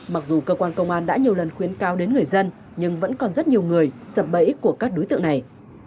mặc dù cơ quan công an đã nhiều lần khuyến cao đến người dân nhưng vẫn còn rất nhiều người sập bẫy của các đối tượng này